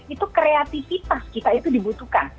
itu kreativitas kita itu dibutuhkan